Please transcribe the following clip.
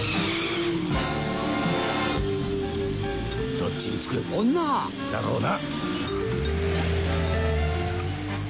どっちにつく？女！だろうな。